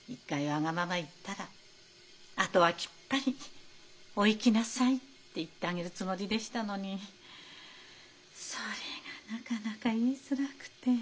わがまま言ったらあとはきっぱり「お行きなさい」って言ってあげるつもりでしたのにそれがなかなか言いづらくて。